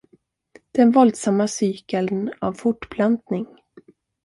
Den våldsamma cykeln av fortplantning.